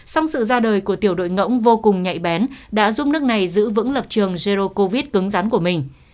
song sự ra đời của tiểu đội ngỗng vô cùng nhạy bén đã giúp nước này giữ vững lập trường jero covid cứng rắn của mình